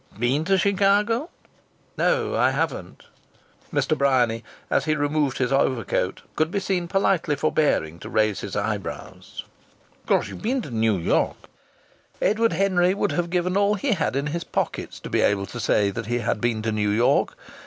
"Been to Chicago?" "No, I haven't." Mr. Bryany, as he removed his overcoat, could be seen politely forbearing to raise his eyebrows. "Of course you've been to New York?" Edward Henry would have given all he had in his pockets to be able to say that he had been to New York.